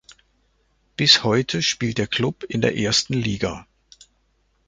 Bis heute spielt der Klub in der ersten Liga.